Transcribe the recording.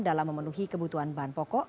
dalam memenuhi kebutuhan bahan pokok